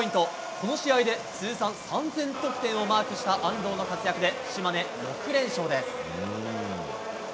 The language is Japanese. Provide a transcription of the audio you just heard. この試合で通算３０００得点をマークした安藤の活躍で島根、６連勝です。